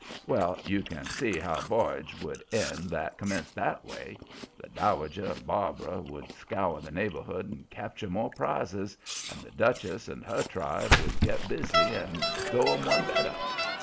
Well, you can see how a v'yage would end that commenced that way. The Dowager and Barbara would scour the neighborhood and capture more prizes, and the Duchess and her tribe would get busy and go 'em one better.